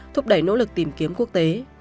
thúc đẩy nỗ lực tìm kiếm quốc tế